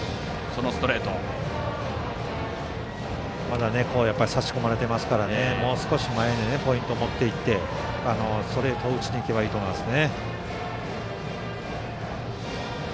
まだ差し込まれてますからもう少し前にポイントを持っていってストレートを打ちに行けばいいと思います。